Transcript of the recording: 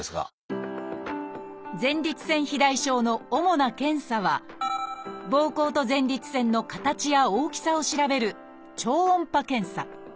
前立腺肥大症の主な検査はぼうこうと前立腺の形や大きさを調べる「超音波検査」。